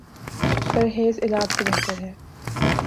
پرہیز علاج سے بہتر ہے۔